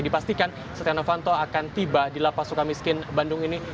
dipastikan setia novanto akan tiba di lapa sukamiskin bandung ini